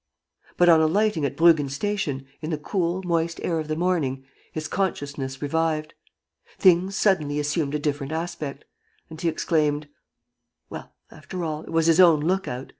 But, on alighting at Bruggen Station, in the cool, moist air of the morning, his consciousness revived. Things suddenly assumed a different aspect. And he exclaimed: "Well, after all, it was his own look out!